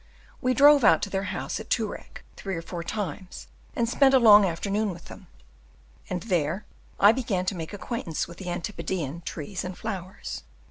We drove out to their house at Toorak three or four times; and spent a long afternoon with them; and there I began to make acquaintance with the Antipodean trees and flowers.